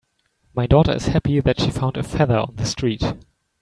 My daughter is happy that she found a feather on the street.